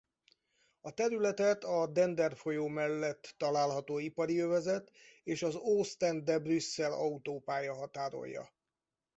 A területet a Dender folyó mellett található ipari övezet és az Oostende–Brüsszel autópálya határolja.